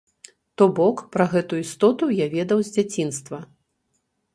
То бок, пра гэтую істоту я ведаў з дзяцінства.